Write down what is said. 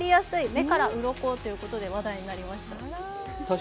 目からうろこということで話題になりました。